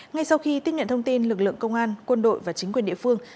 ngay sau khi tiếp nhận thông tin lực lượng công an quân đội và chính quyền địa phương